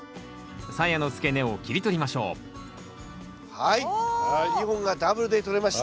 さやの付け根を切り取りましょうはい２本がダブルでとれました。